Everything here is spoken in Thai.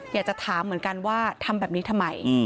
อยากจะถามเหมือนกันว่าทำแบบนี้ทำไม